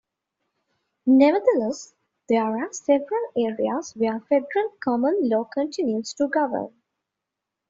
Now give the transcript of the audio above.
Nevertheless, there are several areas where federal common law continues to govern.